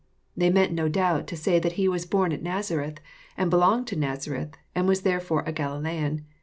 They meant no doubt to say that He was born at Nazareth, and belonged to Nazareth, and was therefore a Galilean.